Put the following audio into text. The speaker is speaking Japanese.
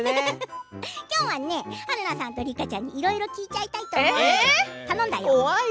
今日はね、春菜さんと梨花ちゃんにいろいろ聞いちゃいたいと思うので頼んだよ。